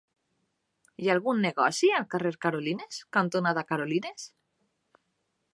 Hi ha algun negoci al carrer Carolines cantonada Carolines?